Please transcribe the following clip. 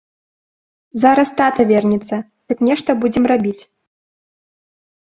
Зараз тата вернецца, дык нешта будзем рабіць.